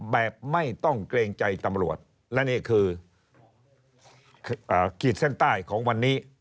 แบบไม่ต้องเกรงใจตำรวจและนี่คือขีดเส้นใต้ของวันนี้